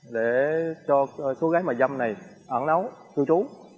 để cho số gái mà dâm này ẩn nấu cư trú